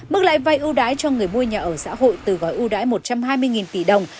mức lãi vai ưu đái cho người mua nhà ở xã hội từ gói ưu đái một trăm hai mươi tỷ đồng